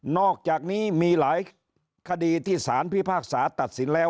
อกจากนี้มีหลายคดีที่สารพิพากษาตัดสินแล้ว